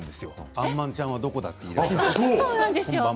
あんまんちゃんはどこだ？って言ったの。